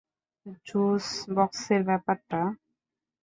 Juice বক্সের ব্যাপারটা?